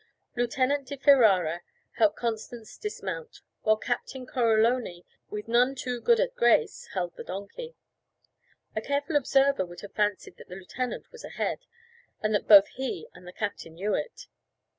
Lieutenant di Ferara helped Constance dismount, while Captain Coroloni, with none too good a grace, held the donkey. A careful observer would have fancied that the lieutenant was ahead, and that both he and the captain knew it.